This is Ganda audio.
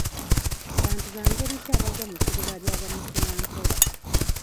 Bantu ba ngeri ki abagwa mu ttuluba lya bamufunampola?